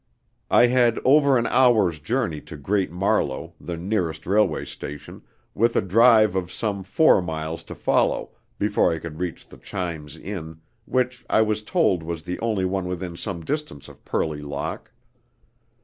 I had over an hour's journey to Great Marlow, the nearest railway station, with a drive of some four miles to follow, before I could reach the Chimes Inn, which I was told was the only one within some distance of Purley Lock.